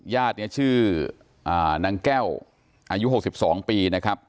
ญาติเนี่ยชื่อนางแก้วอายุ๖๒ปีนะครับ